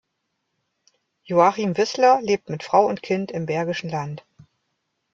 Joachim Wissler lebt mit Frau und Kind im Bergischen Land.